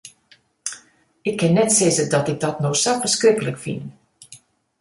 Ik kin net sizze dat ik dat no sa ferskriklik fyn.